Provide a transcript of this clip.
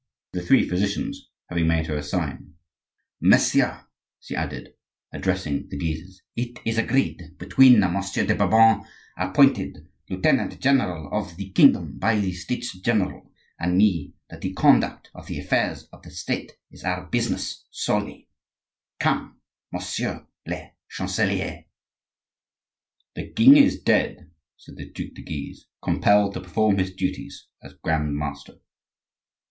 The three physicians having made her a sign, "Messieurs," she added, addressing the Guises, "it is agreed between Monsieur de Bourbon, appointed lieutenant general of the kingdom by the States general, and me that the conduct of the affairs of the State is our business solely. Come, monsieur le chancelier." "The king is dead!" said the Duc de Guise, compelled to perform his duties as Grand master.